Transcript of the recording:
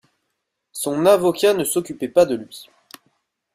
Son avocat ne s'occupait pas de lui.